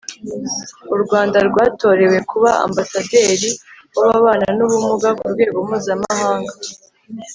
u rwanda rwatorewe kuba ambasaderi w' ababana n'ubumuga ku rwego mpuzamahanga